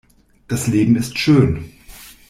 Das Leben ist schön!